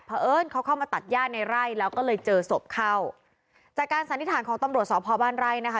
เพราะเอิญเขาเข้ามาตัดย่าในไร่แล้วก็เลยเจอศพเข้าจากการสันนิษฐานของตำรวจสพบ้านไร่นะคะ